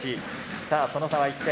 さあその差は１点。